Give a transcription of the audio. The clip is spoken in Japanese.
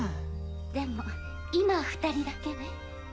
でも今は２人だけね。